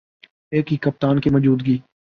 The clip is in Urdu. ایک ہی کپتان کی موجودگی